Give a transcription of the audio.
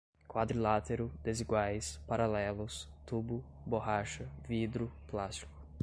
quadrilátero, desiguais, paralelos, tubo, borracha, vidro, plástico